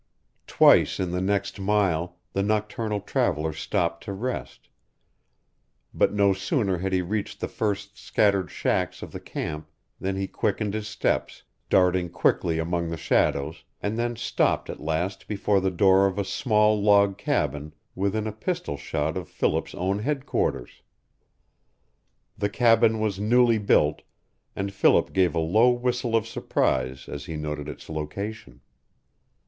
Twice in the next mile the nocturnal traveler stopped to rest, but no sooner had he reached the first scattered shacks of the camp than he quickened his steps, darting quickly among the shadows, and then stopped at last before the door of a small log cabin within a pistol shot of Philip's own headquarters. The cabin was newly built, and Philip gave a low whistle of surprise as he noted its location.